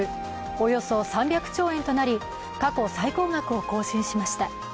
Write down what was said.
およそ３００兆円となり過去最高額を更新しました。